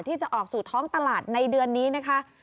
ที่จะออกสู่ท้องตลาดในเดือนนี้นะคะ